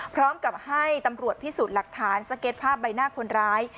พร้อมกับให้ตำรวจพิสูจน์หลักฐานสเก็ตภาพใบหน้าคนร้าย